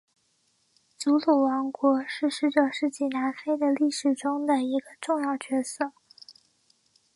祖鲁王国是十九世纪南非的历史中的一个重要角色。